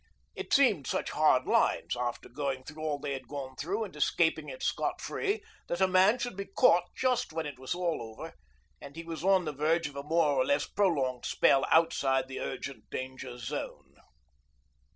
It seemed such hard lines, after going through all they had gone through and escaping it scot free, that a man should be caught just when it was all over and he was on the verge of a more or less prolonged spell outside the urgent danger zone.